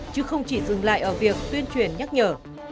chứ không chỉ dừng lại ở việc tuyên truyền nhắc nhở